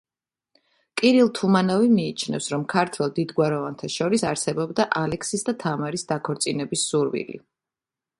კირილ თუმანოვი მიიჩნევს, რომ ქართველ დიდგვაროვანთა შორის არსებობდა ალექსისა და თამარის დაქორწინების სურვილი.